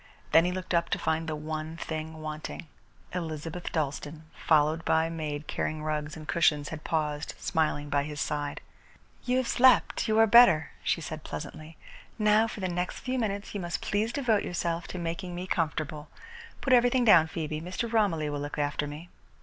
Then he looked up to find the one thing wanting. Elizabeth Dalstan, followed by a maid carrying rugs and cushions, had paused, smiling, by his side. "You have slept and you are better," she said pleasantly. "Now for the next few minutes you must please devote yourself to making me comfortable. Put everything down, Phoebe. Mr. Romilly will look after me."